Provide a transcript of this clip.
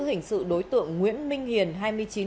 hình sự đối tượng nguyễn minh hiền